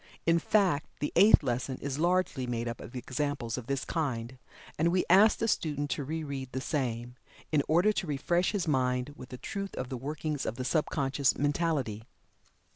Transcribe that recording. In fact, the Eighth Lesson is largely made up of examples of this kind, and we ask the student to re read the same, in order to refresh his mind with the truth of the workings of the sub conscious mentality.